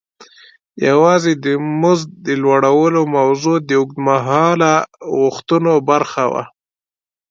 یوازې د مزد د لوړولو موضوع د اوږد مهاله غوښتنو برخه وه.